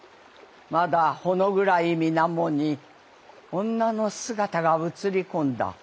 まだほの暗い水面に女の姿が映り込んだ」。